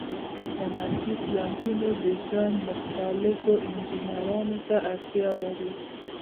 د صنعتي پلانټونو ډیزاین مختلفو انجینرانو ته اړتیا لري.